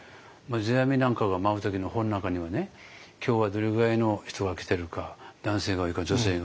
世阿弥なんかが舞う時の本の中にはね今日はどれぐらいの人が来てるか男性が多いか女性が多いか。